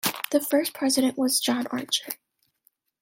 The first president was John Archer.